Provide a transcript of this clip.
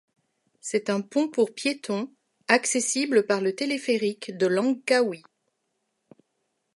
C'est un pont pour piétons accessible par le téléphérique de Langkawi.